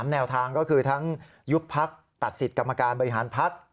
แนวทางก็คือทั้งยุบพักตัดสิทธิ์กรรมการบริหารพัก